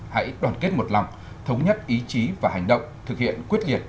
hãy đoàn kết một lòng thống nhất ý chí và hành động thực hiện quyết liệt